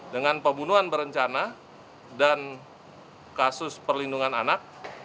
dengan pembunuhan berencana dan kasus perlindungan anak